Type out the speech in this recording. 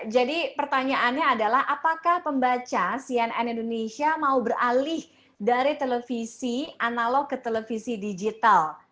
jadi pertanyaannya adalah apakah pembaca cnn indonesia mau beralih dari televisi analog ke televisi digital